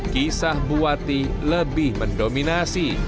kisah buati lebih mendominasi